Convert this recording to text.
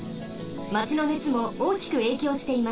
マチのねつもおおきくえいきょうしています。